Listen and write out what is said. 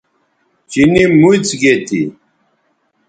چینی موڅ گے تھی